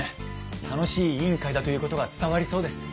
楽しい委員会だということが伝わりそうです。